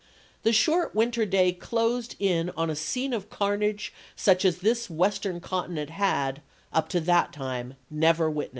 The short winter day closed in on a scene of carnage such as this West ern continent had, up to that time, never witnessed, Vol.